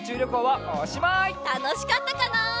たのしかったかな？